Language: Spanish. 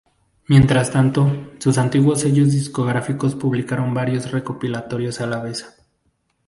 Mientras tanto, sus antiguos sellos discográficos, publicaron varios recopilatorios a la vez.